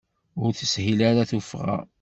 Ur teshil ara tuffɣa.